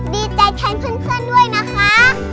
ดีใจแทนเพื่อนด้วยนะคะ